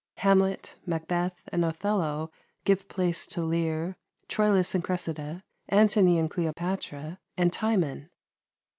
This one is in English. "Hamlet," "Macbeth," and "Othello" give place to "Lear," "Troilus and Cressida," "Antony and Cleopatra," and "Timon."